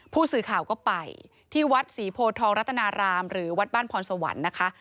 ผู้สื่อข่าวก็ไปที่วัดศรีโพทองรัตนารามหรือวัดบ้านพรสวรรค์นะคะ